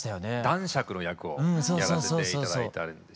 男爵の役をやらせて頂いたんですよね。